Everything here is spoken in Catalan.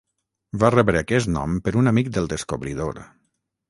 Va rebre aquest nom per un amic del descobridor.